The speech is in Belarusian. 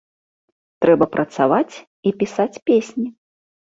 Трэба працаваць і пісаць песні.